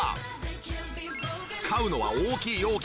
使うのは大きい容器。